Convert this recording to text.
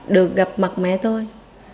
được gặp mặt mẹ tôi